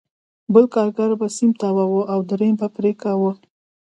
بل کارګر به سیم تاواوه او درېیم به پرې کاوه